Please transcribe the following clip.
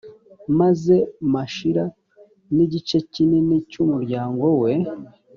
maze mashira n’igice kinini cy’umuryango we